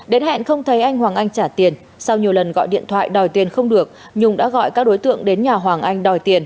đến hẹn không thấy anh hoàng anh trả tiền sau nhiều lần gọi điện thoại đòi tiền không được nhung đã gọi các đối tượng đến nhà hoàng anh đòi tiền